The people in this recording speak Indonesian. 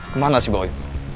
kemana si boy